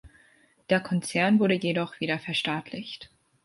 Der Konzern wurde jedoch wieder verstaatlicht.